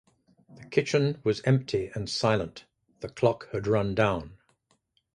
The kitchen was empty and silent; the clock had run down.